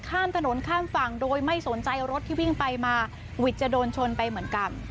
ข้ามถนนข้ามฝั่งโดยไม่สนใจรถที่วิ่งไปมาวิทย์จะโดนชนไปเหมือนกัน